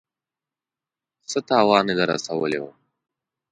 څه تاوان يې در رسولی و.